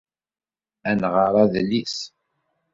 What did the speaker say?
Ad nɣer adlis.